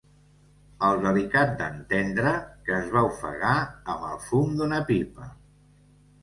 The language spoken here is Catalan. El delicat d'en Tendre, que es va ofegar amb el fum d'una pipa.